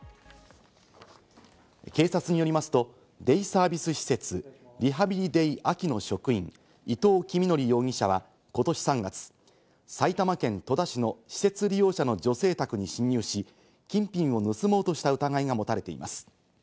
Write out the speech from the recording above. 警察によりますと、デイサービス施設、リハビリデイ・秋の職員、伊藤己実範容疑者はことし３月、埼玉県戸田市の施設利用者の女性宅に侵入し、金品を盗もうとした疑いが持たれています。